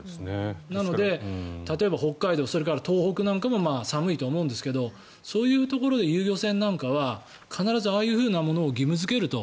なので、例えば、北海道それから東北なんかも寒いと思うんですけどそういうところへ行く遊漁船なんかはああいうものを必ず義務付けると。